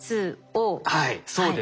はいそうです。